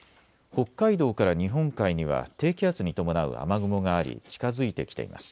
北海道から日本海には低気圧に伴う雨雲があり近づいてきています。